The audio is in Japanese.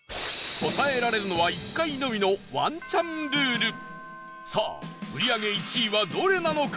答えられるのは１回のみのワンチャンルールさあ、売り上げ１位はどれなのか？